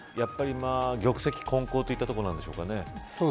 やっぱり玉石混交といったことなんでしょうかね。